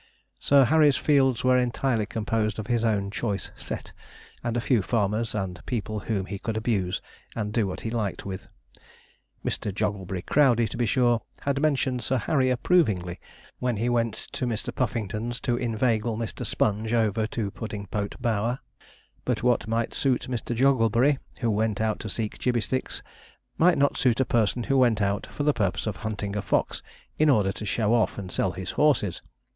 Sir Harry's fields were entirely composed of his own choice 'set,' and a few farmers, and people whom he could abuse and do what he liked with. Mr. Jogglebury Crowdey, to be sure, had mentioned Sir Harry approvingly, when he went to Mr. Puffington's, to inveigle Mr. Sponge over to Puddingpote Bower; but what might suit Mr. Jogglebury, who went out to seek gibbey sticks, might not suit a person who went out for the purpose of hunting a fox in order to show off and sell his horses.